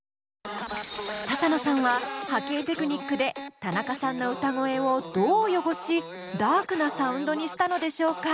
ササノさんは波形テクニックでたなかさんの歌声をどう汚しダークなサウンドにしたのでしょうか？